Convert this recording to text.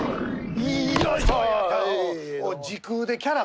よいしょ！